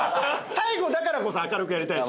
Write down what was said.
最後だからこそ明るくやりたいし。